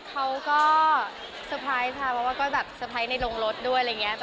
เขาก็เซอร์ไพรส์ค่ะเพราะว่าก็แบบเตอร์ไพรส์ในโรงรถด้วยอะไรอย่างนี้